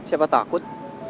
oke siapa takut